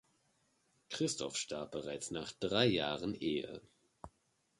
Christoph starb bereits nach drei Jahren Ehe.